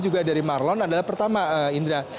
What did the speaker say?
juga dari marlon adalah pertama indra